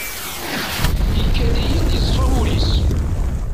Ikad-iyi-d yeṣfa wul-is.